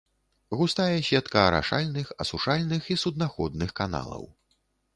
Густая сетка арашальных, асушальных і суднаходных каналаў.